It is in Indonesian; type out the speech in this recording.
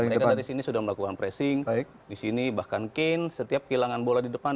mereka dari sini sudah melakukan pressing di sini bahkan kane setiap kehilangan bola di depan